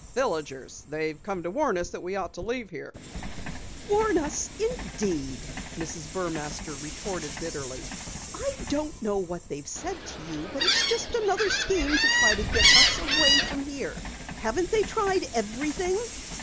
"Villagers. They've come to warn us that we ought to leave here." "Warn us, indeed!" Mrs. Burmaster retorted bitterly. "I don't know what they've said to you, but it's just another scheme to get us away from here! Haven't they tried everything?"